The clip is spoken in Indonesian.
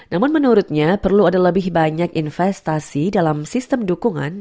namun menurutnya perlu ada lebih banyak investasi dalam sistem dukungan